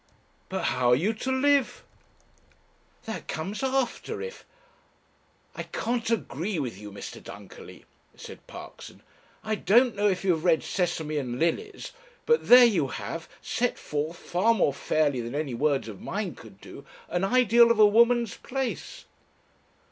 "But how are you to live?" "That comes after. If ..." "I can't agree with you, Mr. Dunkerley," said Parkson. "I don't know if you have read Sesame and Lilies, but there you have, set forth far more fairly than any words of mine could do, an ideal of a woman's place